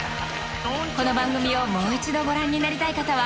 この番組をもう一度ご覧になりたい方は